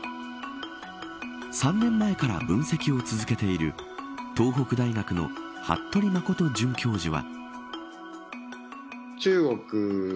３年前から分析を続けている東北大学の服部誠准教授は。